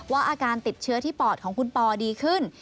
อาการติดเชื้อที่ปอดของคุณปอดีขึ้น